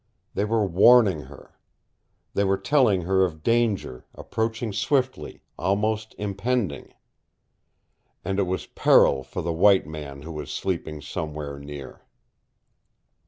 They were warning her. They were telling her of danger, approaching swiftly, almost impending. And it was peril for the white man who was sleeping somewhere near.